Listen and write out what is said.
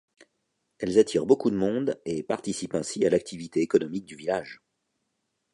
Elles attirent beaucoup de monde et participent ainsi à l'activité économique du village.